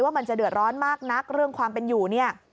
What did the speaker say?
มันจะเดือดร้อนมากนักเรื่องความเป็นอยู่เนี่ย